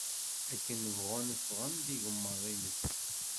Akken bɣun ffɣen-d yigemmaḍ-ines.